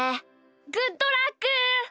グッドラック！